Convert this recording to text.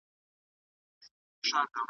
سيد قاسم رشتيا